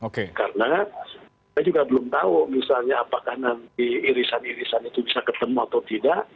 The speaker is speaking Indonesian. karena saya juga belum tahu misalnya apakah nanti irisan irisan itu bisa ketemu atau tidak